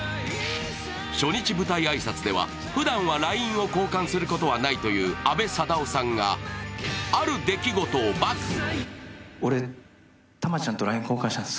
初日舞台挨拶では、ふだんはＬＩＮＥを交換することはないという阿部サダヲさんがある出来事を暴露。